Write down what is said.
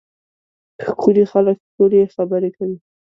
ښکلي خلک ښکلې خبرې کوي.